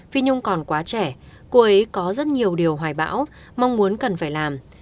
phi nhung còn quá trẻ cô ấy có rất nhiều điều hoài bão mong muốn cần phải làm